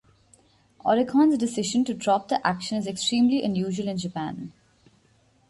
Oricon's decision to drop the action is extremely unusual in Japan.